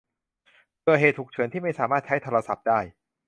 เผื่อเหตุฉุกเฉินที่ไม่สามารถใช้โทรศัพท์ได้